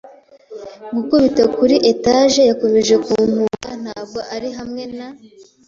gukubita kuri etage, yakomeje kumpunga, ntabwo ari hamwe na